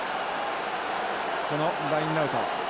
このラインアウト。